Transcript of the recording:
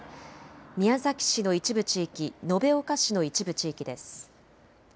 宮崎市の一部地域、延岡市の一部地域です。